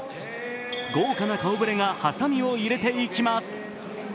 豪華な顔ぶれがはさみを入れていきます。